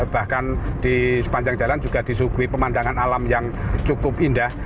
bahkan di sepanjang jalan juga disuguhi pemandangan alam yang cukup indah